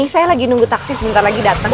jadi saya lagi nunggu taksi sebentar lagi datang